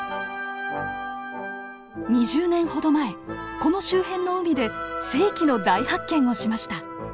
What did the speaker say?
２０年ほど前この周辺の海で世紀の大発見をしました。